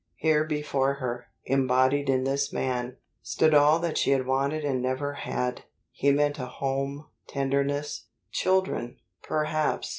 Here before her, embodied in this man, stood all that she had wanted and never had. He meant a home, tenderness, children, perhaps.